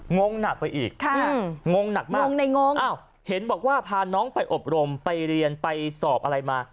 งงหนักไปอีกงงหนักมากงงในงงอ้าวเห็นบอกว่าพาน้องไปอบรมไปเรียนไปสอบอะไรมา